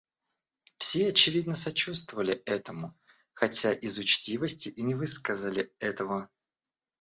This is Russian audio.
Все, очевидно, сочувствовали этому, хотя из учтивости и не высказали этого.